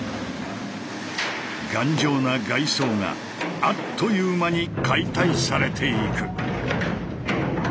頑丈な外装があっという間に解体されていく。